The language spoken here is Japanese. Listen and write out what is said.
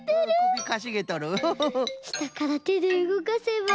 したからてでうごかせば。